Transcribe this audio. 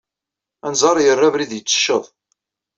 Anẓar yerra abrid yettecceḍ.